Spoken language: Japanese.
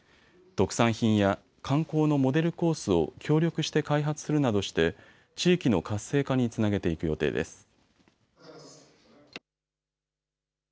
特産品や観光のモデルコースを協力して開発するなどして地域の活性化につなげていく予定です。